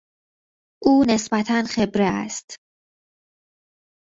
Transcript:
او نسبتا خبره است.